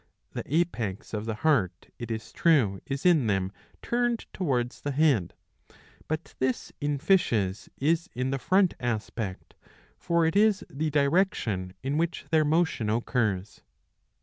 The apex of the heart, it is true, is in them turned towards the head, but this in fishes is the front aspect, for it is the direction in which their motion occurs.